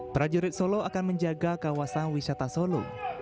prajurit solo akan menjaga kawasan wisata solo